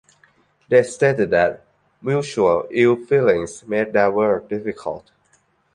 They stated that mutual ill-feelings made their work difficult.